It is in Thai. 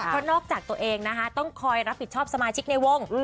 เพราะนอกจากตัวเองนะคะต้องคอยรับผิดชอบสมาชิกในวง